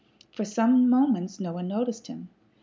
For some moments no one noticed him.